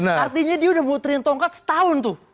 artinya dia udah muterin tongkat setahun tuh